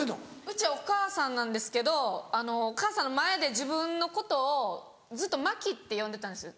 うちは「お母さん」なんですけどお母さんの前で自分のことをずっと「麻貴」って呼んでたんです。